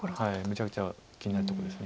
めちゃくちゃ気になるとこです